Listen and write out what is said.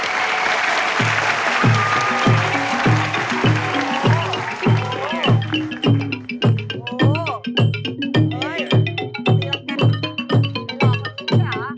อ้าวใครเป็นใครแล้วเนี่ย